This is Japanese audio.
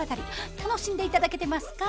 楽しんで頂けてますか？